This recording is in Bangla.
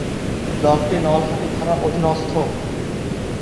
ব্লকটি নলহাটি থানার অধীনস্থ।